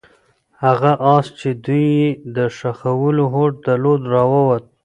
هغه آس چې دوی یې د ښخولو هوډ درلود راووت.